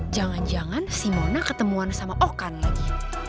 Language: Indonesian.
jangan jangan si mona ketemuan sama okan lagi